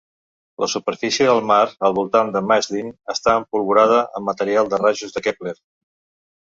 La superfície del mar al voltant de Maestlin està empolvorada amb material de rajos de Kepler.